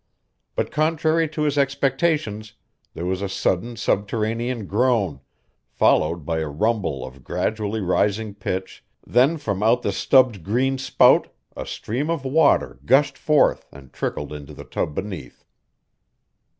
But contrary to his expectations there was a sudden subterranean groan, followed by a rumble of gradually rising pitch; then from out the stubbed green spout a stream of water gushed forth and trickled into the tub beneath.